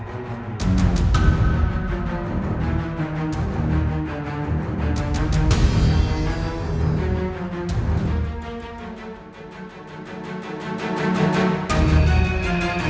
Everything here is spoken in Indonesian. jangan lupa klik like